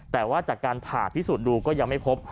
แต่ว่าจากการผ่านที่สูดดูก็ยังไม่พบ